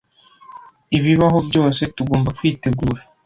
Ibibaho byose, tugomba kwitegura.